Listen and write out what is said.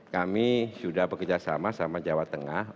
kami sudah bekerjasama sama jawa tengah